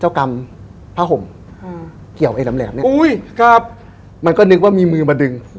พระกรรมพระห่มเกี่ยวไอ้แหลมแหลมเนี้ยอุ้ยกับมันก็นึกว่ามีมือมาดึง